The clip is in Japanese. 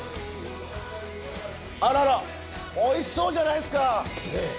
あららおいしそうじゃないですか！